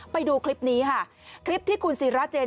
ไปดูคลิปนี้ค่ะคลิปที่คุณศิราเจน